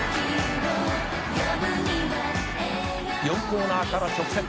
「４コーナーから直線」